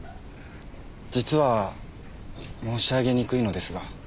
実は申し上げにくいのですが。